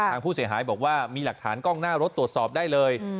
ทางผู้เสียหายบอกว่ามีหลักฐานกล้องหน้ารถตรวจสอบได้เลย